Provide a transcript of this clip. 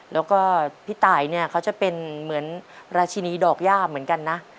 แล้วก็พี่ตายเนี่ยเขาจะเป็นเหมือนราชินีดอกย่าเหมือนกันนะ